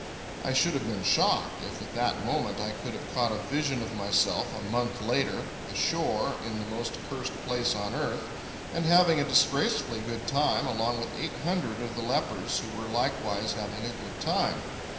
I should have been shocked, if, at that moment, I could have caught a vision of myself a month later, ashore in the most cursed place on earth and having a disgracefully good time along with eight hundred of the lepers who were likewise having a good time.